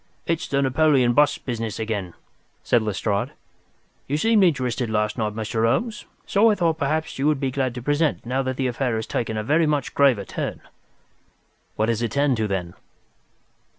"It's the Napoleon bust business again," said Lestrade. "You seemed interested last night, Mr. Holmes, so I thought perhaps you would be glad to be present now that the affair has taken a very much graver turn." "What has it turned to, then?"